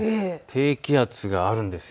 低気圧があるんです。